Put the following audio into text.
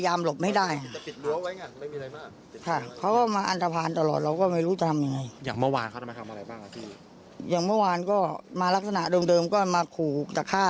อย่างเมื่อวานก็มาลักษณะเดิมก็มาขู่จะฆ่า